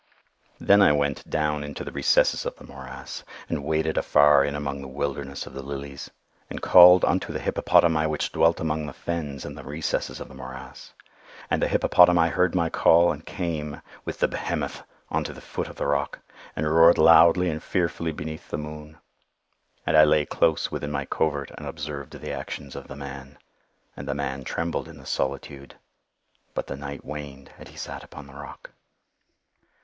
"Then I went down into the recesses of the morass, and waded afar in among the wilderness of the lilies, and called unto the hippopotami which dwelt among the fens in the recesses of the morass. And the hippopotami heard my call, and came, with the behemoth, unto the foot of the rock, and roared loudly and fearfully beneath the moon. And I lay close within my covert and observed the actions of the man. And the man trembled in the solitude;—but the night waned and he sat upon the rock.